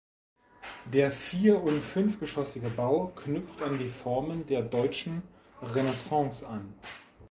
Der vier- und fünfgeschossige Bau knüpft an die Formen der deutschen Renaissance an.